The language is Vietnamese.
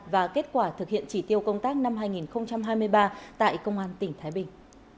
và kết quả thực hiện chỉ tiêu công tác năm hai nghìn hai mươi ba tại công an tỉnh thái bình